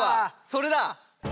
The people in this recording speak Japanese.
それだ！